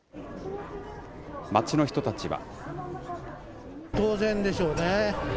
街の人たちは。